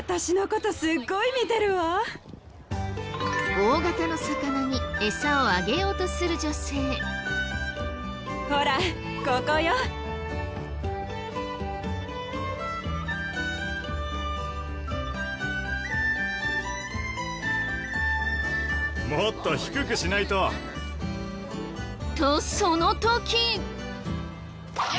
大型の魚にエサをあげようとする女性。とその時。